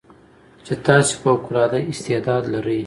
چې تاسې فوق العاده استعداد لرٸ